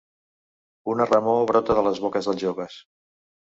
Una remor brolla de les boques dels joves.